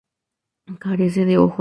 Carece de ojos.